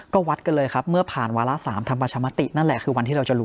ก็วัดกันเลยครับเมื่อผ่านวาระ๓ทำประชามตินั่นแหละคือวันที่เราจะรู้